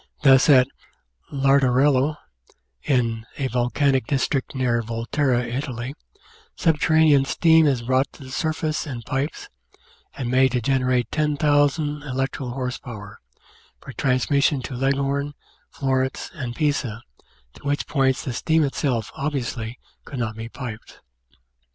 Thus, at Lardarello in a volcanic district near Volterra, Italy, subterranean steam is brought to the surface in pipes and made to generate 10,000 elec Applied Science 797 trical horse power, for transmission to Leghorn, Florence, and Pisa, to which points the steam itself obviously could not be piped.